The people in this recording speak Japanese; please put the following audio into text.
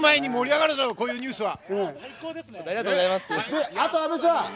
盛り上がるだろう、こういうニュースは！